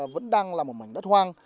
vẫn đang là một mảnh đất hoang